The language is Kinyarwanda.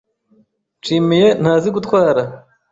Nshimiye ntazi gutwara.